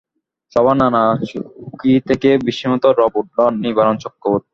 সভার নানা চৌকি থেকে বিস্মিত রব উঠল– নিবারণ চক্রবর্তী?